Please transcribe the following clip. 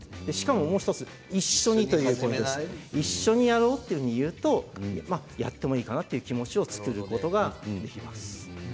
もう１つ一緒にと言うとやってもいいかなという気持ちを作ることができます。